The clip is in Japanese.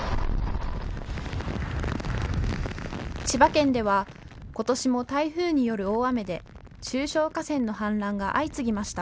千葉県では今年も台風による大雨で中小河川の氾濫が相次ぎました。